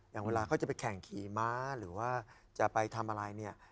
อย่างเวลาเขาจะไปแข่งขี่ม้าหรือว่าจะไปทำอะไรเนี่ย